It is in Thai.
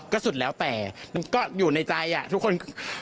ก็สุดแล้วแต่มันก็อยู่ในใจทุกคน